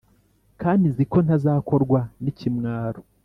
kandi nzi ko ntazakorwa n ikimwaro